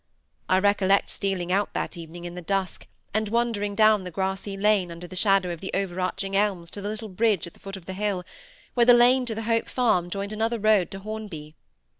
I recollect stealing out that evening in the dusk, and wandering down the grassy lane, under the shadow of the over arching elms to the little bridge at the foot of the hill, where the lane to the Hope Farm joined another road to Hornby.